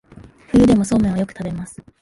冬でもそうめんをよく食べます